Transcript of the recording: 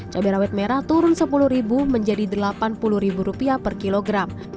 cabai rawit merah turun sepuluh ribu menjadi delapan puluh ribu rupiah per kilogram